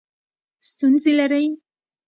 ستونزې لرئ؟